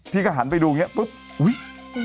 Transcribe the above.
พี่ก็หันไปดูอย่างนี้ปุ๊บอุ๊ย